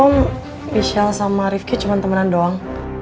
emang michelle sama rifky cuma temenan doang